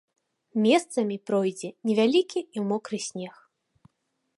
Месцамі пройдзе невялікі і мокры снег.